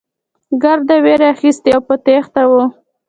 ګرد وېرې اخيستي او په تېښته وو.